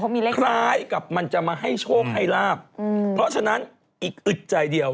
มีเลขคล้ายกับมันจะมาให้โชคให้ลาบอืมเพราะฉะนั้นอีกอึดใจเดียว